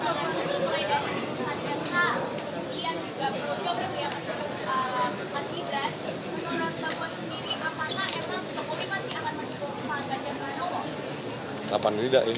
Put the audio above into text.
bagaimana pak gwad sendiri apakah ertas jokowi pasti akan mengikut pak ganjar dan pak mahfud